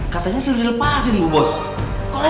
katanya sering lepasin bos bos